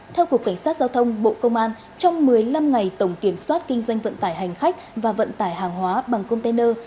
theo cục cảnh sát giao thông bộ công an trong một mươi năm ngày tổng kiểm soát kinh doanh vận tải hành khách và vận tải hàng hóa bằng container